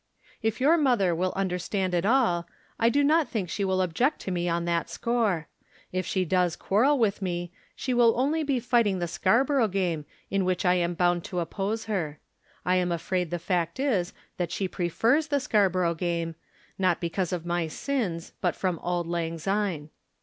"If your mother will understand it all, I do not think she will object to me on that score. If she does quarrel with me, she will only be fighting the Scarborough game, in which I am bound to oppose her. I am afraid the fact is that she prefers the Scarborough game, not because of my sins, but from auld lang syne.